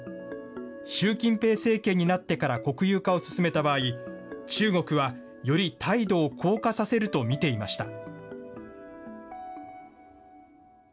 習近平政権になってから国有化を進めた場合、中国はより態度を硬化させると見ていました。